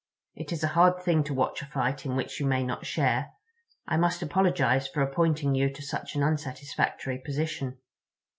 It is a hard thing to watch a fight in which you may not share. I must apologize for appointing you to such an unsatisfactory position."